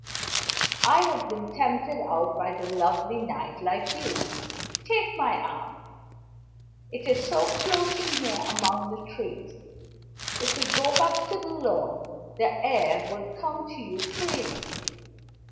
I have been tempted out by the lovely night, like you. Take my arm. It is so close in here among the trees. If we go back to the lawn, the air will come to you freely."